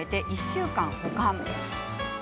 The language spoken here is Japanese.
１週間保管。